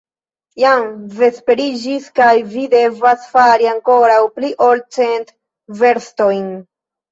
Jam vesperiĝis, kaj vi devas fari ankoraŭ pli ol cent verstojn?